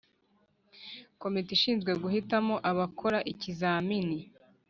Komite ishinzwe guhitamo abazakora ikizamini